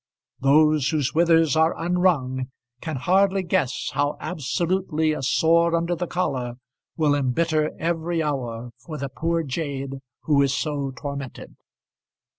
Those whose withers are unwrung can hardly guess how absolutely a sore under the collar will embitter every hour for the poor jade who is so tormented!